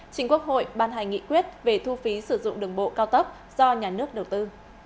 chính quốc hội ban hành nghị quyết về thu phí sử dụng đường bộ cao tốc do nhà nước đầu tư